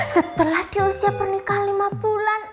setelah dia usia pernikahan lima bulan